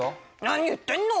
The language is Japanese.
何言ってんの？